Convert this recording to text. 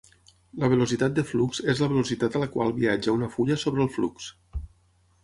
La velocitat de flux és la velocitat a la qual viatja una fulla sobre el flux.